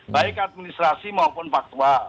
baik administrasi maupun faktual